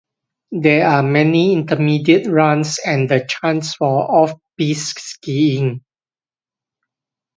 There are many intermediate runs and the chance for off-piste skiing.